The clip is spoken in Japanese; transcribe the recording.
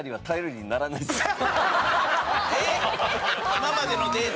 今までのデータ？